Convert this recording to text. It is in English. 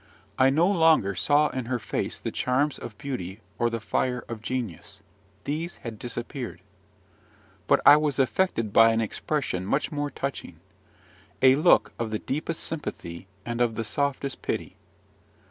I no longer saw in her face the charms of beauty or the fire of genius: these had disappeared. But I was affected by an expression much more touching, a look of the deepest sympathy and of the softest pity.